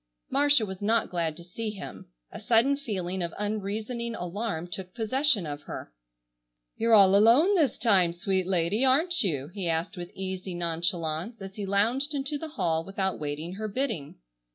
Marcia was not glad to see him. A sudden feeling of unreasoning alarm took possession of her. "You're all alone this time, sweet lady, aren't you?" he asked with easy nonchalance, as he lounged into the hall without waiting her bidding.